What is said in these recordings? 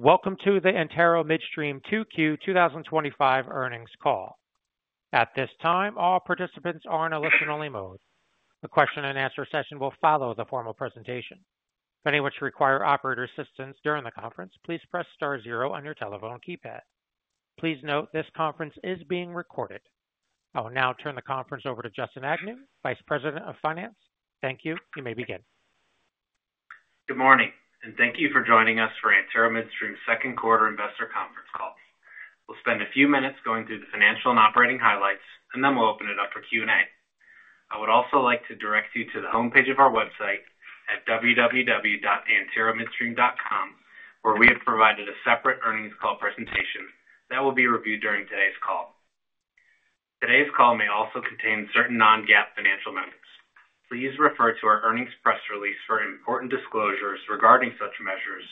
Welcome to the Antero Midstream 2Q 2025 earnings call. At this time, all participants are in a listen-only mode. The question and answer session will follow the formal presentation. If any of you require operator assistance during the conference, please press star zero on your telephone keypad. Please note this conference is being recorded. I will now turn the conference over to Justin Agnew, Vice President of Finance. Thank you. You may begin. Good morning, and thank you for joining us for Antero Midstream's second quarter investor conference call. We'll spend a few minutes going through the financial and operating highlights, and then we'll open it up for Q&A. I would also like to direct you to the homepage of our website at www.anteromidstream.com, where we have provided a separate earnings call presentation that will be reviewed during today's call. Today's call may also contain certain non-GAAP financial numbers. Please refer to our earnings press release for important disclosures regarding such measures,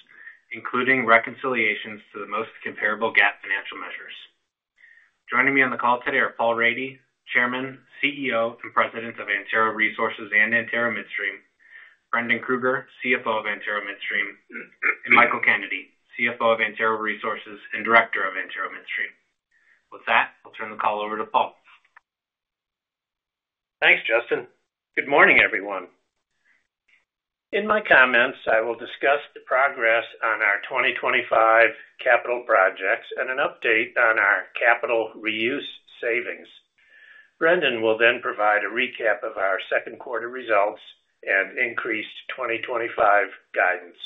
including reconciliations to the most comparable GAAP financial measures. Joining me on the call today are Paul Rady, Chairman, CEO, and President of Antero Resources and Antero Midstream, Brendan Krueger, CFO of Antero Midstream, and Michael Kennedy, CFO of Antero Resources and Director of Antero Midstream. With that, I'll turn the call over to Paul. Thanks, Justin. Good morning, everyone. In my comments, I will discuss the progress on our 2025 capital projects and an update on our capital reuse savings. Brendan will then provide a recap of our second quarter results and increased 2025 guidance.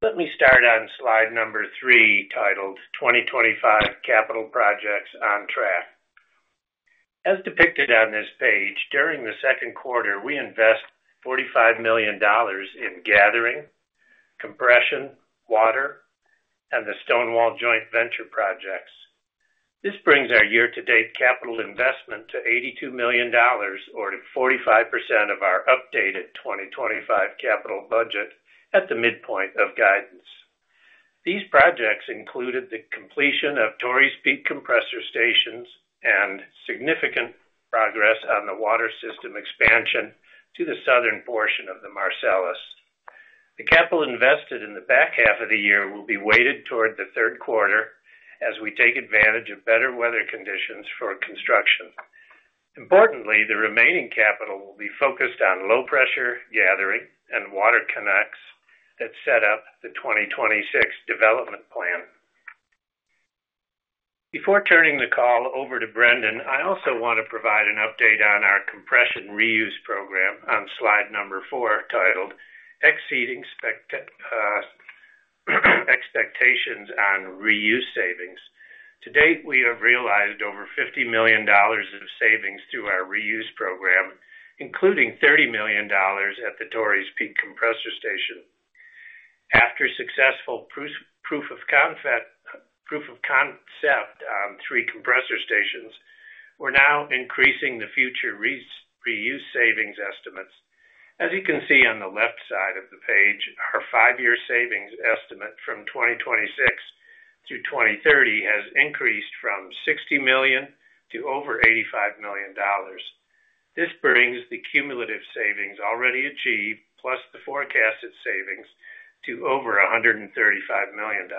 Let me start on slide number three titled 2025 Capital Projects on Track. As depicted on this page, during the second quarter, we invested $45 million in gathering, compression, water, and the Stonewall Joint Venture projects. This brings our year-to-date capital investment to $82 million, or 45% of our updated 2025 capital budget at the midpoint of guidance. These projects included the completion of Tory Speed Compressor Stations and significant progress on the water system expansion to the southern portion of the Marcellus. The capital invested in the back half of the year will be weighted toward the third quarter as we take advantage of better weather conditions for construction. Importantly, the remaining capital will be focused on low-pressure gathering and water connects that set up the 2026 development plan. Before turning the call over to Brendan, I also want to provide an update on our compression reuse program on slide number four titled Exceeding Expectations on Reuse Savings. To date, we have realized over $50 million of savings through our reuse program, including $30 million at the Tory Speed Compressor Station. After successful proof of concept on three compressor stations, we're now increasing the future reuse savings estimates. As you can see on the left side of the page, our five-year savings estimate from 2026 to 2030 has increased from $60 million to over $85 million. This brings the cumulative savings already achieved, plus the forecasted savings, to over $135 million.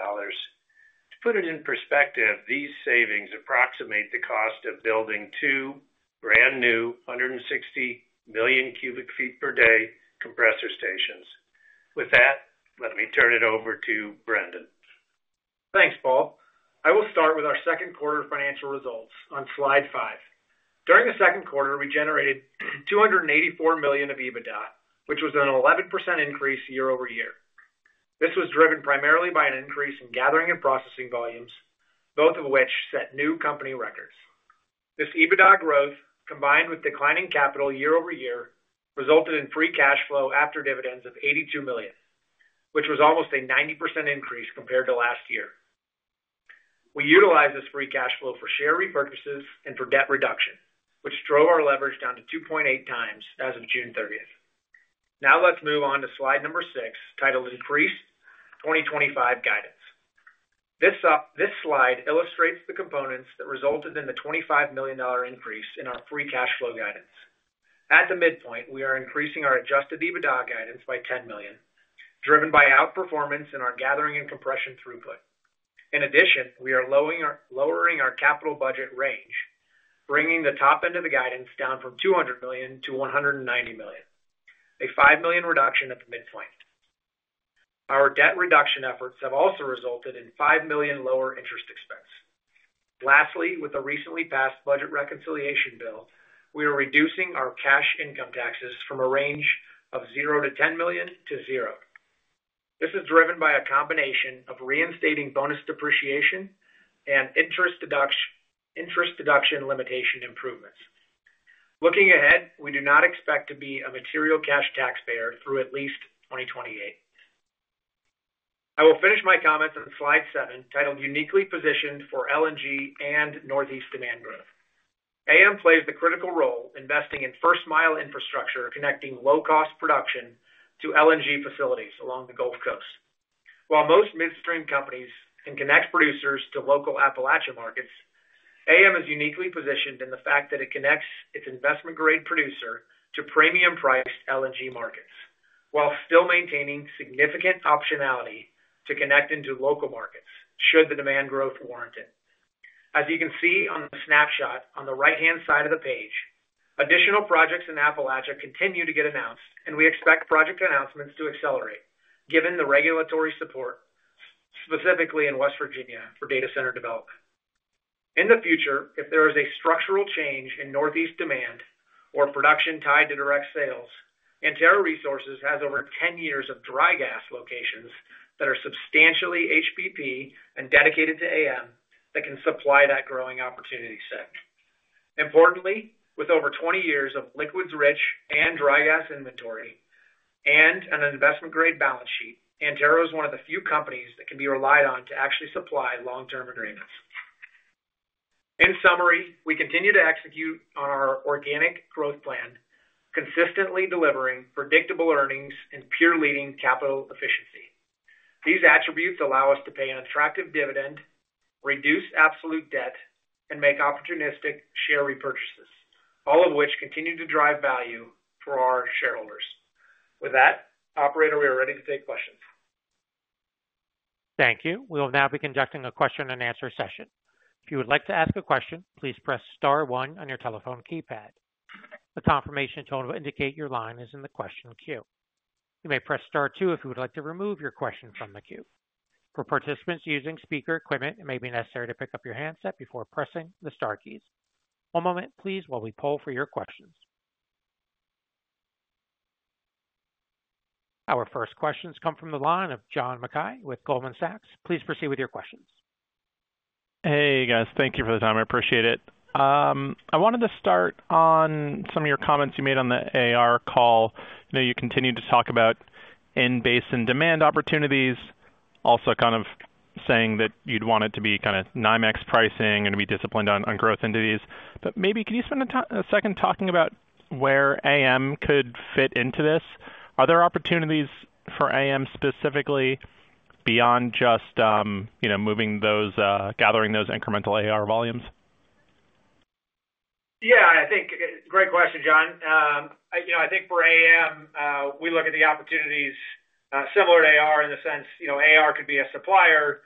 To put it in perspective, these savings approximate the cost of building two brand new 160 million cubic feet per day compressor stations. With that, let me turn it over to Brendan. Thanks, Paul. I will start with our second quarter financial results on slide five. During the second quarter, we generated $284 million of EBITDA, which was an 11% increase year-over-year. This was driven primarily by an increase in gathering and processing volumes, both of which set new company records. This EBITDA growth, combined with declining capital year over year, resulted in free cash flow after dividends of $82 million, which was almost a 90% increase compared to last year. We utilize this free cash flow for share repurchases and for debt reduction, which drove our leverage down to 2.8x as of June 30. Now let's move on to slide number six titled Increased 2025 Guidance. This slide illustrates the components that resulted in the $25 million increase in our free cash flow guidance. At the midpoint, we are increasing our adjusted EBITDA guidance by $10 million, driven by outperformance in our gathering and compression throughput. In addition, we are lowering our capital budget range, bringing the top end of the guidance down from $200 million to $190 million, a $5 million reduction at the midpoint. Our debt reduction efforts have also resulted in $5 million lower interest expense. Lastly, with the recently passed budget reconciliation bill, we are reducing our cash income taxes from a range of $0 to $10 million to $0. This is driven by a combination of reinstating bonus depreciation and interest deduction limitation improvements. Looking ahead, we do not expect to be a material cash taxpayer through at least 2028. I will finish my comments on slide seven titled Uniquely Positioned for LNG and Northeast Demand Growth. AM plays the critical role investing in first mile infrastructure connecting low-cost production to LNG facilities along the Gulf Coast. While most midstream companies can connect producers to local Appalachian markets, AM is uniquely positioned in the fact that it connects its investment-grade producer to premium-priced LNG markets while still maintaining significant optionality to connect into local markets should the demand growth warrant it. As you can see on the snapshot on the right-hand side of the page, additional projects in Appalachia continue to get announced, and we expect project announcements to accelerate given the regulatory support specifically in West Virginia for data center development. In the future, if there is a structural change in Northeast demand or production tied to direct sales, Antero Resources has over 10 years of dry gas locations that are substantially HPP and dedicated to AM that can supply that growing opportunity set. Importantly, with over 20 years of liquids-rich and dry gas inventory and an investment-grade balance sheet, Antero is one of the few companies that can be relied on to actually supply long-term agreements. In summary, we continue to execute on our organic growth plan, consistently delivering predictable earnings and pure leading capital efficiency. These attributes allow us to pay an attractive dividend, reduce absolute debt, and make opportunistic share repurchases, all of which continue to drive value for our shareholders. With that, operator, we are ready to take questions. Thank you. We will now be conducting a question and answer session. If you would like to ask a question, please press star one on your telephone keypad. The confirmation tone will indicate your line is in the question queue. You may press star two if you would like to remove your question from the queue. For participants using speaker equipment, it may be necessary to pick up your handset before pressing the star keys. One moment, please, while we poll for your questions. Our first questions come from the line of John Mackay with Goldman Sachs. Please proceed with your questions. Hey, guys. Thank you for the time. I appreciate it. I wanted to start on some of your comments you made on the AR call. You know, you continued to talk about in-base and demand opportunities, also kind of saying that you'd want it to be kind of 9x pricing and to be disciplined on growth into these. Maybe can you spend a second talking about where AM could fit into this? Are there opportunities for AM specifically beyond just, you know, moving those, gathering those incremental AR volumes? Yeah, I think great question, John. I think for AM, we look at the opportunities similar to Antero Resources in the sense Antero Resources could be a supplier.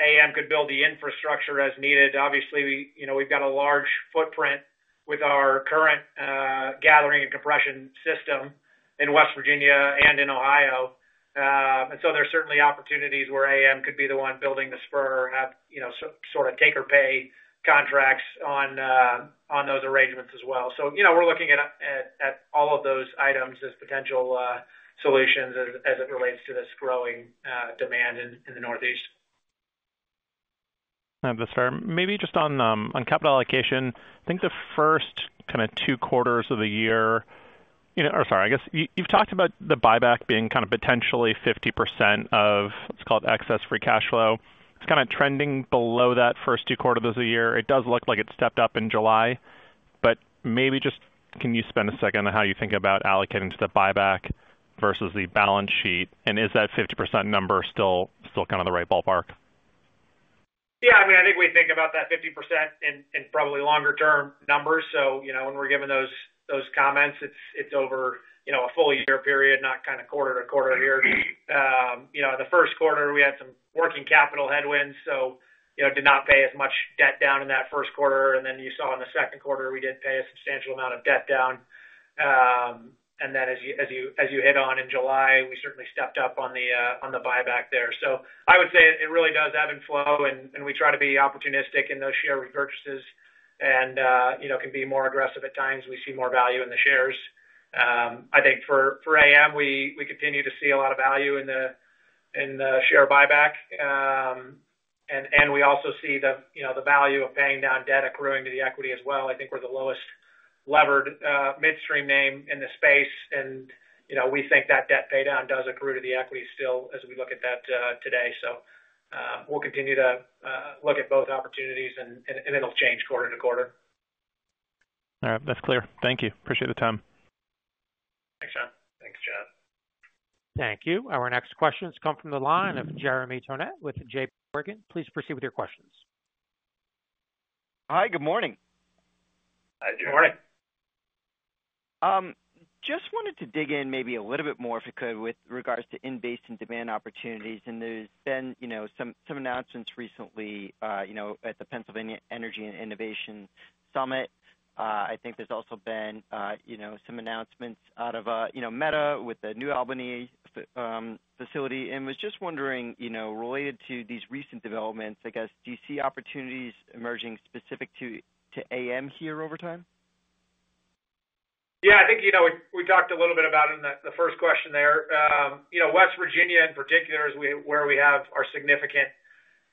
AM could build the infrastructure as needed. Obviously, we've got a large footprint with our current gathering and compression system in West Virginia and in Ohio. There are certainly opportunities where AM could be the one building the spur or have sort of take or pay contracts on those arrangements as well. We're looking at all of those items as potential solutions as it relates to this growing demand in the Northeast. Maybe just on capital allocation, I think the first kind of two quarters of the year, or sorry, I guess you've talked about the buyback being kind of potentially 50% of, let's call it, excess free cash flow. It's kind of trending below that first two quarters of the year. It does look like it stepped up in July, but maybe just can you spend a second on how you think about allocating to the buyback versus the balance sheet? Is that 50% number still kind of the right ballpark? Yeah, I mean, I think we think about that 50% in probably longer-term numbers. When we're given those comments, it's over a full year period, not kind of quarter to quarter here. The first quarter we had some working capital headwinds, so did not pay as much debt down in that first quarter. You saw in the second quarter we did pay a substantial amount of debt down. As you hit on in July, we certainly stepped up on the buyback there. I would say it really does ebb and flow, and we try to be opportunistic in those share repurchases and can be more aggressive at times. We see more value in the shares. I think for AM, we continue to see a lot of value in the share buyback. We also see the value of paying down debt accruing to the equity as well. I think we're the lowest levered midstream name in the space, and we think that debt paydown does accrue to the equity still as we look at that today. We'll continue to look at both opportunities, and it'll change quarter to quarter. All right, that's clear. Thank you. Appreciate the time. Thanks, John. Thanks, John. Thank you. Our next questions come from the line of Jeremy Tonet with JPMorgan. Please proceed with your questions. Hi, good morning. Hi, good morning. Just wanted to dig in maybe a little bit more if you could with regards to in-base and demand opportunities. There's been some announcements recently at the Pennsylvania Energy and Innovation Summit. I think there's also been some announcements out of Meta with the new Albany facility. I was just wondering, related to these recent developments, do you see opportunities emerging specific to AM here over time? Yeah, I think we talked a little bit about it in the first question there. West Virginia in particular is where we have our significant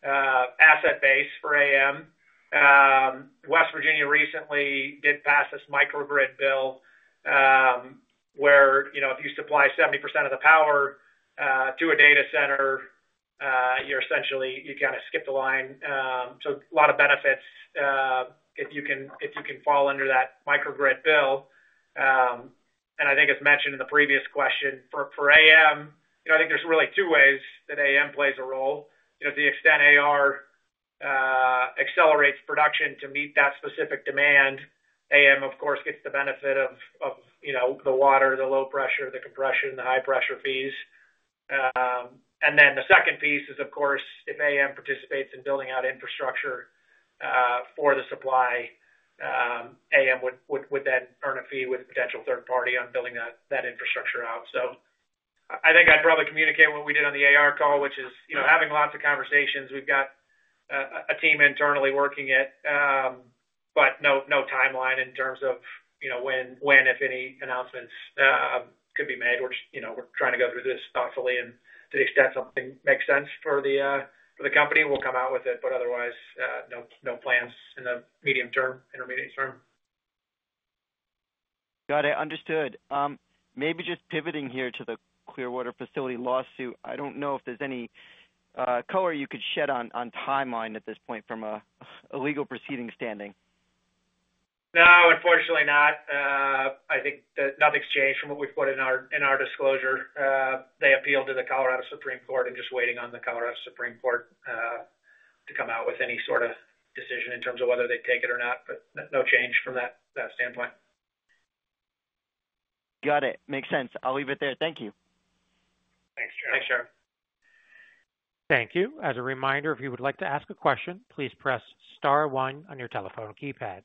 asset base for AM. West Virginia recently did pass this microgrid bill where, if you supply 70% of the power to a data center, you essentially kind of skip the line. There are a lot of benefits if you can fall under that microgrid bill. I think as mentioned in the previous question for AM, I think there's really two ways that AM plays a role. To the extent AR accelerates production to meet that specific demand, AM, of course, gets the benefit of the water, the low pressure, the compression, the high pressure fees. The second piece is, of course, if AM participates in building out infrastructure for the supply, AM would then earn a fee with a potential third party on building that infrastructure out. I think I'd probably communicate what we did on the AR call, which is having lots of conversations. We've got a team internally working it, but no timeline in terms of when, if any announcements could be made. We're trying to go through this thoughtfully and to the extent something makes sense for the company, we'll come out with it. Otherwise, no plans in the medium term, intermediate term. Got it. Understood. Maybe just pivoting here to the Clearwater facility lawsuit. I don't know if there's any color you could shed on timeline at this point from a legal proceeding standing. No, unfortunately not. I think nothing's changed from what we've put in our disclosure. They appealed to the Colorado Supreme Court and just waiting on the Colorado Supreme Court to come out with any sort of decision in terms of whether they take it or not. No change from that standpoint. Got it. Makes sense. I'll leave it there. Thank you. Thanks, Jeremy. Thank you. As a reminder, if you would like to ask a question, please press star one on your telephone keypad.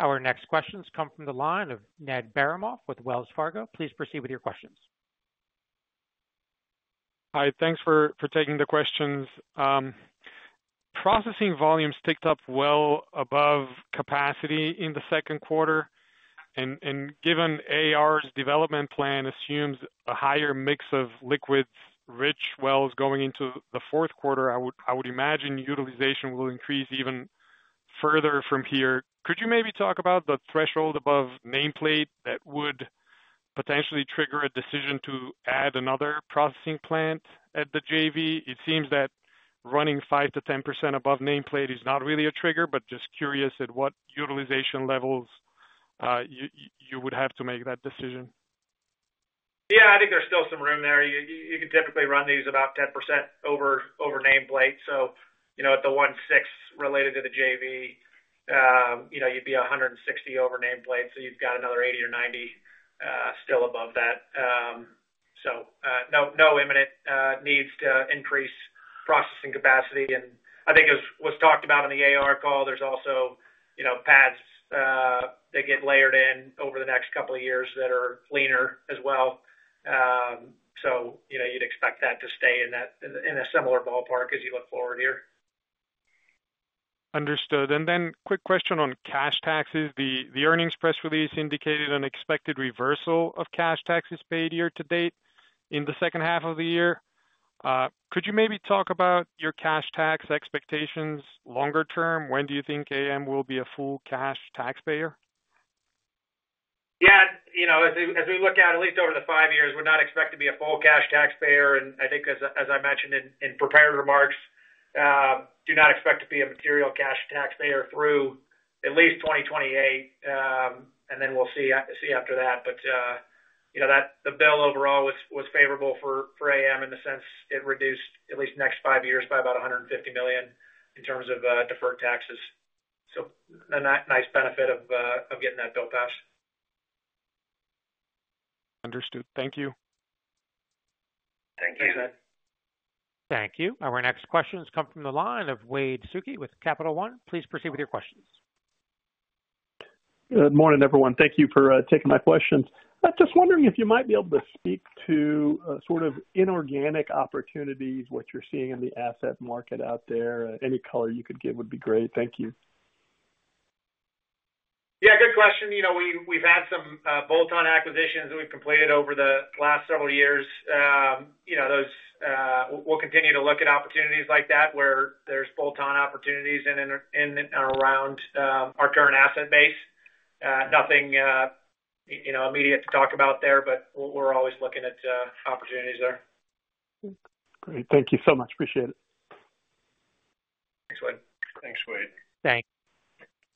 Our next questions come from the line of Ned Baramoff with Wells Fargo. Please proceed with your questions. Hi, thanks for taking the questions. Processing volumes ticked up well above capacity in the second quarter. Given AR' development plan assumes a higher mix of liquids-rich wells going into the fourth quarter, I would imagine utilization will increase even further from here. Could you maybe talk about the threshold above nameplate that would potentially trigger a decision to add another processing plant at the joint venture? It seems that running 5%-10% above nameplate is not really a trigger, but just curious at what utilization levels you would have to make that decision. Yeah, I think there's still some room there. You can typically run these about 10% over nameplate. At the one-sixth related to the JV, you'd be 160 over nameplate. You've got another 80 or 90 still above that. No imminent needs to increase processing capacity. I think it was talked about in the AR call. There's also pads that get layered in over the next couple of years that are leaner as well. You'd expect that to stay in a similar ballpark as you look forward here. Understood. Quick question on cash taxes. The earnings press release indicated an expected reversal of cash taxes paid year to date in the second half of the year. Could you maybe talk about your cash tax expectations longer term? When do you think AM will be a full cash taxpayer? Yeah, you know, as we look out at least over the five years, we're not expected to be a full cash taxpayer. I think, as I mentioned in prepared remarks, do not expect to be a material cash taxpayer through at least 2028. We'll see after that. The bill overall was favorable for AM in the sense it reduced at least the next five years by about $150 million in terms of deferred taxes. A nice benefit of getting that bill passed. Understood. Thank you. Thank you, Ned. Thank you. Our next questions come from the line of Wade Suki with Capital One. Please proceed with your questions. Good morning, everyone. Thank you for taking my questions. I'm just wondering if you might be able to speak to sort of inorganic opportunities, what you're seeing in the asset market out there. Any color you could give would be great. Thank you. Good question. We've had some bolt-on acquisitions that we've completed over the last several years. We'll continue to look at opportunities like that where there's bolt-on opportunities in and around our current asset base. Nothing immediate to talk about there, but we're always looking at opportunities there. Great. Thank you so much. Appreciate it. Thanks, Wade. Thanks, Wade.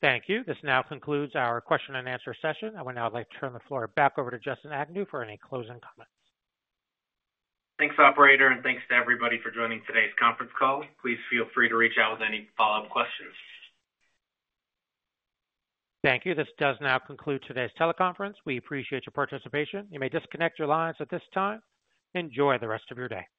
Thank you. This now concludes our question-and-answer session. I would now like to turn the floor back over to Justin Agnew for any closing comments. Thanks, operator, and thanks to everybody for joining today's conference call. Please feel free to reach out with any follow-up questions. Thank you. This does now conclude today's teleconference. We appreciate your participation. You may disconnect your lines at this time. Enjoy the rest of your day.